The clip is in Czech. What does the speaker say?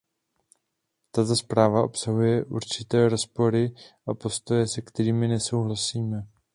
Tato zpráva obsahuje určité rozpory a postoje, se kterými nesouhlasíme.